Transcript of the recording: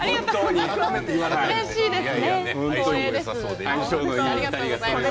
うれしいですね。